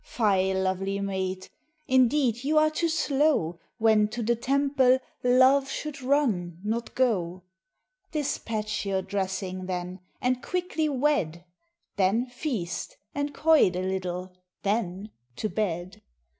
Fie, Lovely maid/ Indeed you are too slow, When to the Temple Love sho'd runn e, not go. J^ Ō¢Ā Dispatch your dressing then ; and quickly wed : Then feast, and co/t a little ; then to bed.